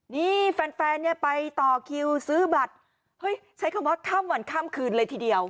นี่แฟนแฟนเนี่ยไปต่อคิวซื้อบัตรเฮ้ยใช้คำว่าข้ามวันข้ามคืนเลยทีเดียว